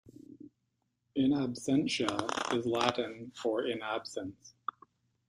"In absentia" is Latin for "in the absence".